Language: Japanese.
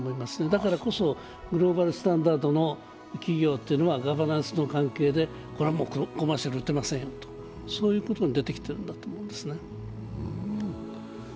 だからこそグローバルスタンダードの企業はガバナンスの関係で、これはもうコマーシャル打てませんと、そういうことも出てきているんだと思いますね